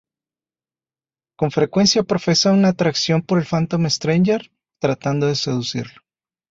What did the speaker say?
Con frecuencia profesa una atracción por el Phantom Stranger, tratando de seducirlo.